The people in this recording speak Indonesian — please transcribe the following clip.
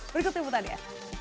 berikut imutan ya